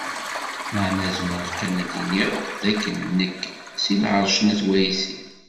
Meεna zemreɣ kan ad d-iniɣ d akken nekk si Lεerc n Wat Ɛisi.